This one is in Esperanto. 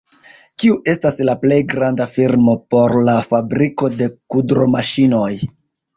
Kiu estas la plej granda firmo por la fabriko de kudromaŝinoj?